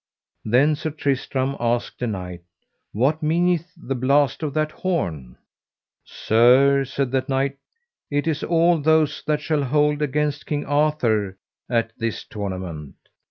Then Sir Tristram asked a knight: What meaneth the blast of that horn? Sir, said that knight, it is all those that shall hold against King Arthur at this tournament.